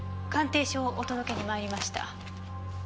鑑定書をお届けに参りました。